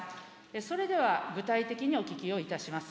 それでは具体的にお聞きをいたします。